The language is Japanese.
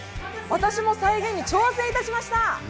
私も再現に挑戦いたしました。